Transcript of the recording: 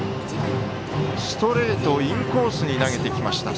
ストレートをインコースに投げてきました。